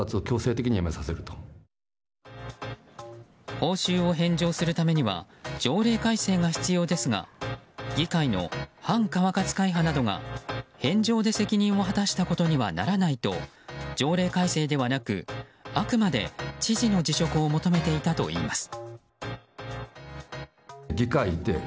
報酬を返上するためには条例改正が必要ですが議会の反川勝会派などが返上で責任を果たしたことにはならないと条例改正ではなくあくまで知事の辞職を求めていたといいます。